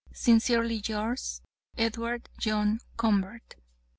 "'Sincerely yours, "'EDWARD (JOHN) CONVERT.'"